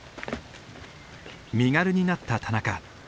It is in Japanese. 身軽になった田中。